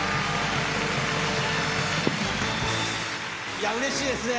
いや、うれしいですね。